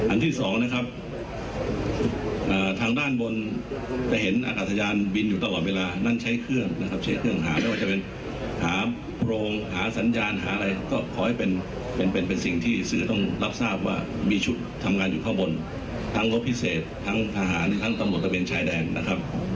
ที่สองนะครับทางด้านบนจะเห็นอากาศยานบินอยู่ตลอดเวลานั้นใช้เครื่องนะครับใช้เครื่องหาไม่ว่าจะเป็นหาโพรงหาสัญญาณหาอะไรก็ขอให้เป็นเป็นสิ่งที่สื่อต้องรับทราบว่ามีชุดทำงานอยู่ข้างบนทั้งรถพิเศษทั้งทหารทั้งตำรวจตะเวนชายแดนนะครับ